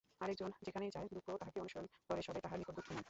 আর একজন যেখানেই যায়, দুঃখ তাহাকে অনুসরণ করে, সবই তাহার নিকট দুঃখময়।